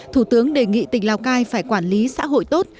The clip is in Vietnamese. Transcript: thủ tướng đề nghị tỉnh lào cai phải quản lý xã hội tốt